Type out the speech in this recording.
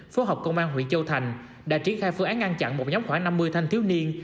phố học công an huyện châu thành đã triển khai phương án ngăn chặn một nhóm khoảng năm mươi thanh thiếu niên